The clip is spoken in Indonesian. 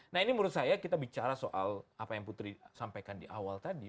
nah ini menurut saya kita bicara soal apa yang putri sampaikan di awal tadi